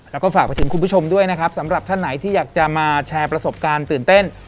แล้วก็ฝากไปถึงคุณผู้ชมด้วยนะครับสำหรับท่านไหนที่อยากจะมาแชร์ประสบการณ์ตื่นเต้น